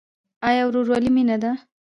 آیا ورورولي مینه ده؟